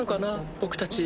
僕たち。